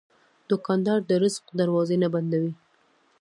دوکاندار د رزق دروازې نه بندوي.